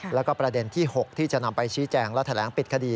แล้วก็ประเด็นที่๖ที่จะนำไปชี้แจงและแถลงปิดคดี